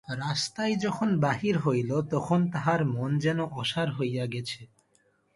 রাস্তায় যখন বাহির হইল তখন তাহার মন যেন অসাড় হইয়া গেছে।